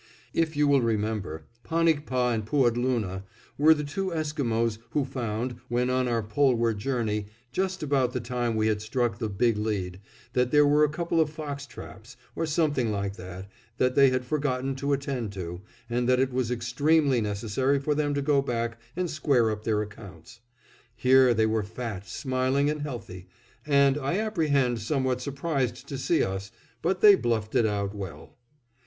If you will remember, Panikpah and Pooadloonah were the two Esquimos who found, when on our Poleward journey, just about the time we had struck the "Big Lead," that there were a couple of fox traps, or something like that, that they had forgotten to attend to, and that it was extremely necessary for them to go back and square up their accounts. Here they were, fat, smiling, and healthy; and I apprehend somewhat surprised to see us, but they bluffed it out well.